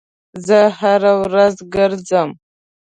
زه هره ورځ ګرځم